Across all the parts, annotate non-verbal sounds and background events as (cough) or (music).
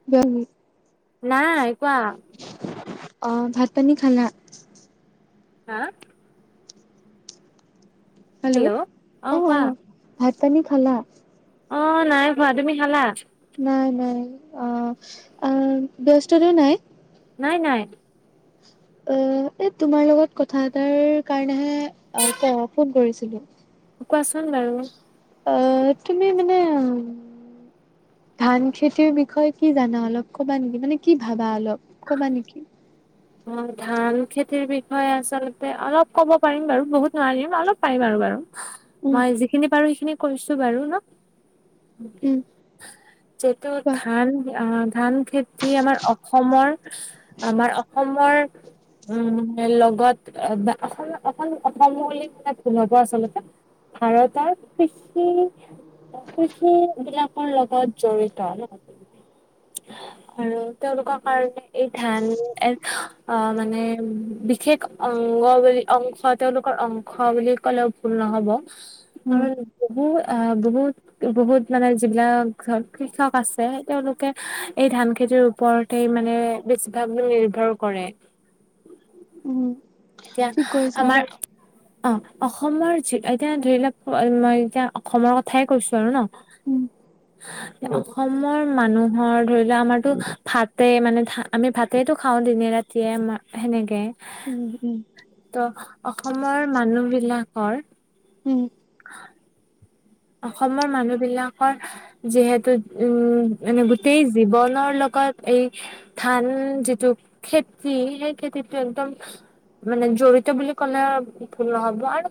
(inaudible) নাই, কোৱা? অ' ভাত-পানী খালা? হাঁ? হেল্ল' অ অ‌ ভাত-পানী খালা? অ, নাই খোৱা। তুমি খালা? নাই, নাই। অ, অ' ব্যস্ততো নাই। নাই, নাই। অ, এই তোমাৰ লগত কথা এটাৰ কাৰণেহে, অ' ফোন কৰিছিলো। কোৱাচোন বাৰু? অ' তুমি মানে ধান খেতিৰ বিষয়ে কি জানা অলপ ক'বা নেকি? মানে কি ভাবা? অলপ ক'বা নেকি? (inaudible) অ, ধান খেতিৰ বিষয়ে আচলতে অলপ ক'ব পাৰিম বাৰু, বহুত নোৱাৰিম। অলপ পাৰিম আৰু বাৰু। উম মই যিখিনি পাৰোঁ, সেইখিনি কৈছোঁ বাৰু ন? উম যিহেতু কোৱা ধান অ, ধান খেতি আমাৰ অসমৰ আমাৰ অসমৰ উম, এ, লগত এবা অসম, অসম, অসম বুলি ক'লে ভুল হ'ব আচলতে। ভাৰতৰ কৃষি কৃষি বিলাকৰ লগত জড়িত ন? আৰু তেওঁলোকৰ কাৰণে এই ধান এক আ মানে বিশেষ অংগ বুলি, অংশ তেওঁলোকৰ অং শ বুলি ক'লেও ভুল নহ'ব, উম কাৰণ বহু এ, বহুত বহুত মানে, যিবিলাক ধৰক কৃষক আছে, তেওঁওলোকে এই ধান খেতিৰ ওপৰত তেই মানে বেছিভাগ বোৰেই নিৰ্ভৰ কৰে। উম এতিয়া ঠিক কৰিছা আমাৰ অ, অসমৰ যি এতিয়া ধৰি লোৱা, মই এতিয়া অসমৰ কথাই কৈছোঁ আৰু ন। উম। অসমৰ মানুহৰ ধৰি লোৱা, আমাৰতো ভাতেই মানে ধা আমি ভাতেইটো খাওঁ দিনে-ৰাতিয়ে সেনেকে। উম, উম। ত, অসমৰ মানুহ বিলাকৰ উম। অসমৰ মানুহ বিলাকৰ যিহেতু উম, মানে গোটেই জীৱনৰ লগত এই ধান যিটো খেতি, সেই খেতিটো একদম মানে জড়িত বুলি ক'লে আও ভুল নহ'ব। আৰু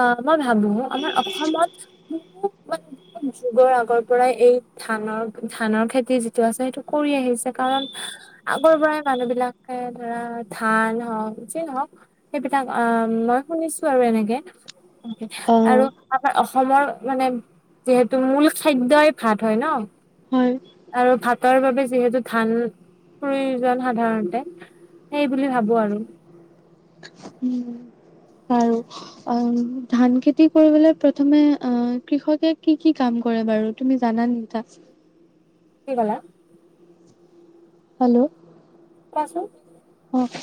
অ, মই ভাবোঁ আমাৰ অসমত (unintelligible) যুগৰ আগৰ পৰাই এই ধানৰ, ধানৰ খেতি যিটো আছে সেইটো কৰি আহিছে। কাৰণ আগৰ পৰাই মানুহ বিলাকে ধৰা, ধান হওঁক, যিয়েই নহওঁক সেইবিলাক অ' মই শুনিছোঁ আৰু এনেকে, অ আৰু আমাৰ অসমৰ মানে, যিহেতু মূল খাদ্যই ভাত হয় ন, হয় আৰু ভাতৰ বাবে যিহেতু ধান প্ৰয়োজন সাধাৰণতে, সেইবুলি ভাবো আৰু। উম, বাৰু। অ', ধান খেতি কৰিবলে প্ৰথমে অ' কৃষকে কি কি কাম কৰে বাৰু? তুমি জানা নেকি কথা? কি ক'লা? হেল্লো'। কোৱাচোন? অ',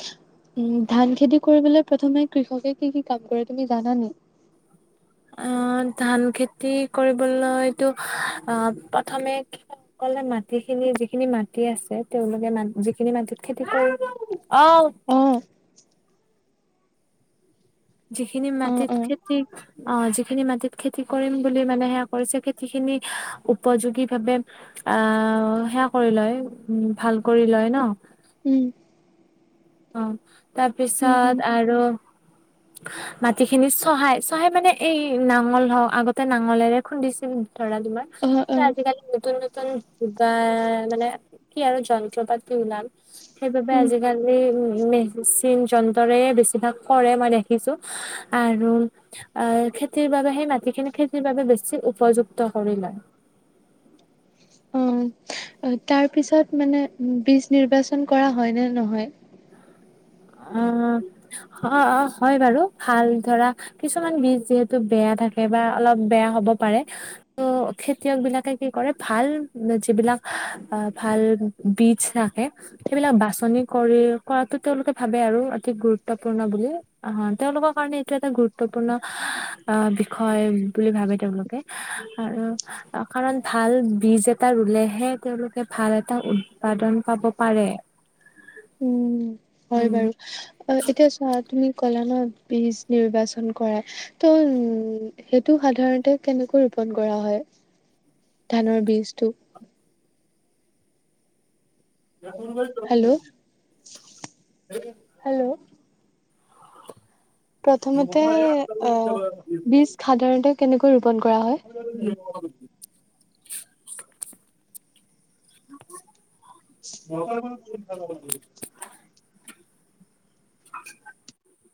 উম, ধান খেতি কৰিবলে প্ৰথমে কৃষকে কি কি কাম কৰে, তুমি জানা নেকি? অ', ধান খেতি কৰিবলৈতো অ' প্ৰথমে খেতিয়ক সকলে মাটি খিনি যিখিনি মাটি আছে, তেওঁলোকে ম যিখিনি মাটিত খেতি কৰিব অ'। অ'। যিখিনি অ মাটিত অ খেতি অ', যিখিনি মাটিত খেতি কৰিম বুলি মানে সেয়া কৰিছে খেতি খিনি উপযোগী ভাবে আহ সেয়া কৰি লয়, উম, ভাল কৰি লয় ন। উম। অ', উম উম তাৰপিছত আৰু মাটি খিনি চহাই, চহাই মানে এই নাঙল হওক, আগতে নাঙলেৰে খুন্দিছিল ধৰা তোমাৰ। অ অ আজিকালি নতুন নতুন যোগাৰ, মানে কি আৰু যন্ত্ৰ পাতি ওলাল। সেইবাবে উম আজিকালি উম মেচিন যন্ত্ৰৰে বেছিভাগ কৰে মানে। শিকিছো আৰু খেতিৰ বাবে সেই মাটিখিনি খেতিৰ বাবে উপযুক্ত কৰি লয়। উম। তাৰ পিছত মানে বীজ নিৰ্বাচন কৰা হয় নে নহয়? অ'', হয় বাৰু, ভাল ধৰা কিছুমান বীজ যিহেতু বেয়া থাকে বা অলপ বেয়া হব পাৰে। ত' খেতিয়ক বিলাকে কি কৰে, ভাল যিবিলাক আহ ভাল বীজ থাকে, সেইবিলাক বাচনি কৰি কৰাটো তেওঁলোকে ভাবে আৰু, অতি গুৰুত্বপূৰ্ণ বুলি। অ', তেওঁলোকৰ কাৰণে এইটো এটা গুৰুত্বপূৰ্ণ অ', বিষয় বুলি ভাবে তেওঁলোকে আৰু কাৰণ ভাল বীজ এটা ৰুলেহে, তেওঁলোকে ভাল এটা উৎপাদন পাব পাৰে। উম হয় উম বাৰু, অ', এতিয়া চোৱা, তুমি ক'লা ন বীজ নিৰ্বাচন কৰা ত' উ, সেইটো সাধাৰণতে কেনেকৈ ৰোপন কৰা হয়? ধানৰ বীজটো। Hello, hello. প্ৰথমতে, অ', বীজ সাধাৰণতে কেনেকৈ ৰোপন কৰা হয়? (inaudible) (inaudible) (inaudible)